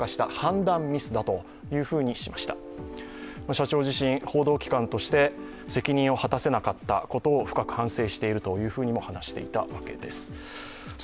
社長自身、報道機関として責任を果たせなかったことを深く反省しているとも話していたわけです。